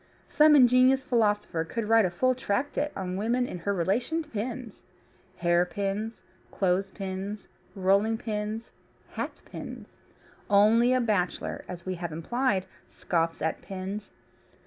Some ingenious philosopher could write a full tractate on woman in her relation to pins hairpins, clothes pins, rolling pins, hatpins. Only a bachelor, as we have implied, scoffs at pins.